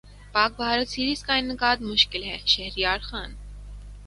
پاک بھارت سیریزکا انعقادمشکل ہے شہریارخان